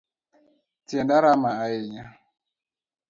Tienda rama ahinya.